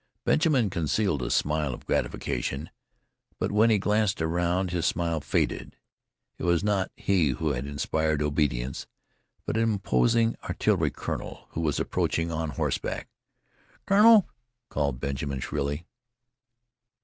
Benjamin concealed a smile of gratification, but when he glanced around his smile faded. It was not he who had inspired obedience, but an imposing artillery colonel who was approaching on horseback. "Colonel!" called Benjamin shrilly.